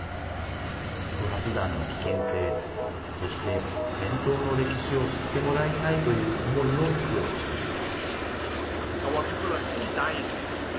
不発弾の危険性、そして戦争の歴史を知ってもらいたいという思いを強くしています。